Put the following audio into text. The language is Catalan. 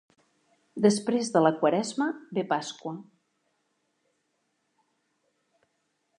Després de la Quaresma ve Pasqua.